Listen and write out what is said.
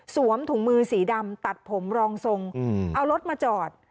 ถุงมือสีดำตัดผมรองทรงเอารถมาจอด